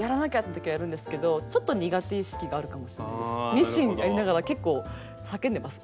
ミシンやりながら結構叫んでます。